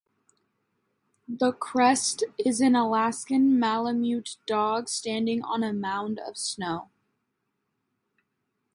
The crest is an Alaskan Malamute dog standing on a mound of snow.